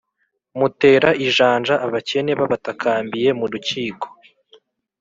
mutera ijanja abakene babatakambiye mu rukiko.